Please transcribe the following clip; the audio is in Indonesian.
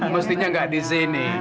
mestinya nggak di sini